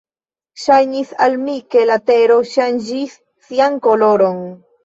Ŝajnis al mi, ke la tero ŝanĝis sian koloron.